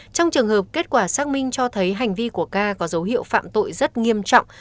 trong trường hợp kết quả xác minh cho thấy hành vi của ca có dấu hiệu phạm tội rất nghiêm trọng